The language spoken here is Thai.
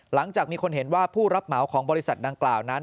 หลังจากมีคนเห็นว่าผู้รับเหมาของบริษัทดังกล่าวนั้น